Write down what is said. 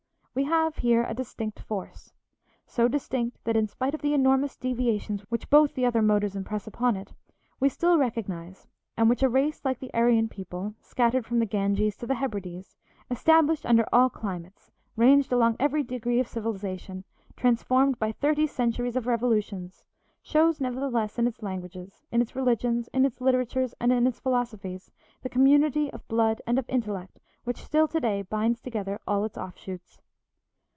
We have here a distinct force; so distinct that, in spite of the enormous deviations which both the other motors impress upon it, we still recognize, and which a race like the Aryan people, scattered from the Ganges to the Hebrides, established tinder all climates, ranged along every degree of civilization, transformed by thirty centuries of revolutions, shows nevertheless in its languages, in its religions, in its literatures, and in its philosophies, the community of blood and of intellect which still to day binds together all its offshoots.